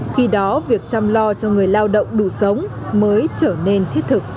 khi đó việc chăm lo cho người lao động đủ sống mới trở nên thiết thực